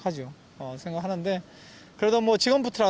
jadi saya pikir ini memiliki pengaruh